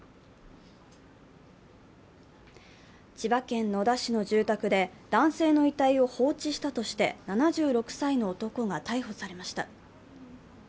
千葉県野田市の住宅で、男性の遺体を放置したとして７６歳の男が逮捕されました。